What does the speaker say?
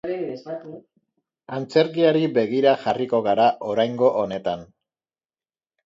Antzerkiari begira jarriko gara oraingo honetan.